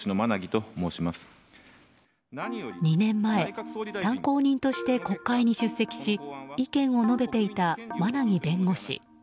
２年前参考人として国会に出席し意見を述べていた馬奈木弁護士。